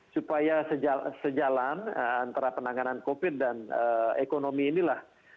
supaya sejalan antara penanganan covid dan ekonomi ini lah